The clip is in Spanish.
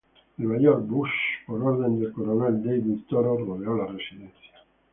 El mayor Busch, por orden del coronel David Toro, rodeó la residencia.